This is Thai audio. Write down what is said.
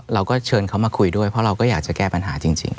เราก็เชิญเขามาคุยด้วยเพราะเราก็อยากจะแก้ปัญหาจริง